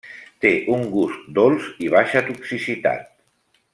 Té un gust dolç i baixa toxicitat.